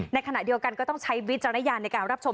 ในขณะเดียวกันก็ต้องใช้วิจารณญาณในการรับชม